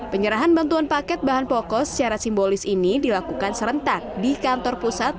penyerahan bantuan paket bahan pokok secara simbolis ini dilakukan serentak di kantor pusat